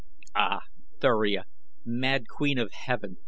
"Ah, Thuria, mad queen of heaven!"